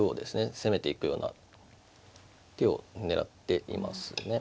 攻めていくような手を狙っていますね。